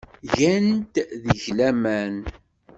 Gant deg-k laman.